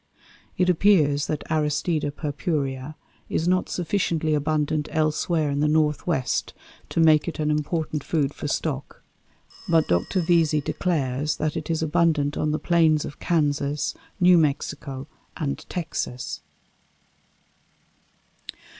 It appears that Aristida purpurea is not sufficiently abundant elsewhere in the Northwest to make it an important food for stock; but Dr. Vesey declares that it is "abundant on the plains of Kansas, New Mexico, and Texas."